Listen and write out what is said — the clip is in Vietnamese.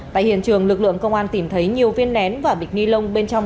tại hiện trường lực lượng công an tìm thấy nhiều viên nén và bịch ni lông bên trong